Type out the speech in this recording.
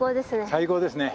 最高ですね。